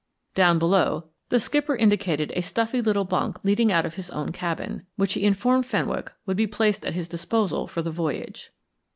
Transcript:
Down below, the skipper indicated a stuffy little bunk leading out of his own cabin, which he informed Fenwick would be placed at his disposal for the voyage.